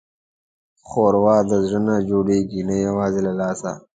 ښوروا د زړه نه جوړېږي، نه یوازې له لاسه.